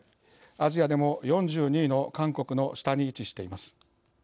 アジアでも４２位の韓国の下に位置しています。